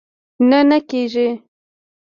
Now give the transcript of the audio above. نه، نه کېږي